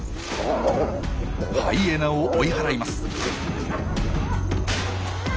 ハイエナを追い払います。